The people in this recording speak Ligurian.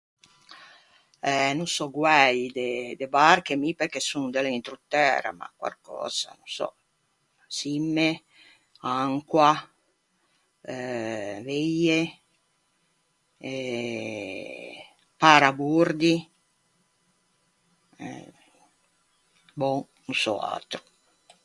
Eh, no sò guæi de de barche mi perché son de l'entrotæra, ma quarcösa ô sò. Çimme, ancoa eh veie e parabordi, e... bòn, no sò atro.